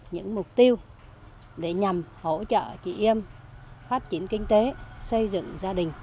những mục tiêu để nhằm hỗ trợ chị em phát triển kinh tế xây dựng gia đình